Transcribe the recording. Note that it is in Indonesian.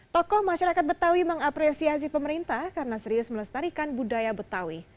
tokoh masyarakat betawi mengapresiasi pemerintah karena serius melestarikan budaya betawi